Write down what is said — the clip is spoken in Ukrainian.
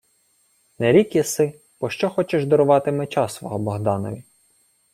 — Не рік єси, пощо хочеш дарувати меча свого Богданові.